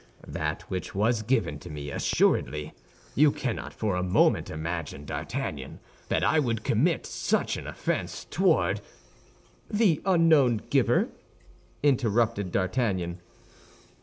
"That which was given to me, assuredly. You cannot for a moment imagine, D'Artagnan, that I would commit such an offense toward—" "The unknown giver," interrupted D'Artagnan.